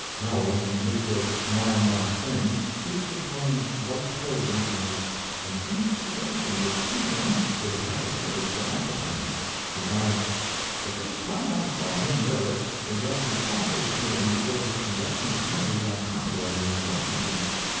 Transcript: [Howells in his book My Mark Twain speaks of Clemens's white clothing as "an inspiration which few men would have had the courage to act upon." He adds: "The first time I saw him wear it was at the authors' hearing before the Congressional Committee on Copyright in Washington.